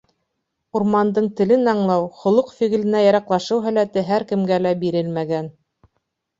Урмандың телен аңлау, холоҡ-фиғеленә яраҡлашыу һәләте һәр кемгә лә бирелмәгән.